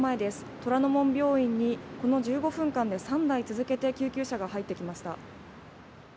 虎の門病院にこの１５分間で３台続けて救急車が入ってきました。